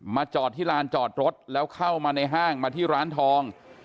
จอดที่ลานจอดรถแล้วเข้ามาในห้างมาที่ร้านทอง